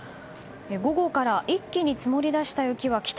午後から一気に積もり出した雪は帰宅